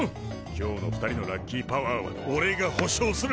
今日の２人のラッキーパワーはおれが保証する！